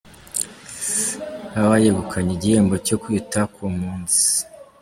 Hawa yegukanye igihembo cyo kwita ku mpunzi